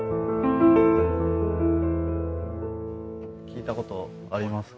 聴いたことあります？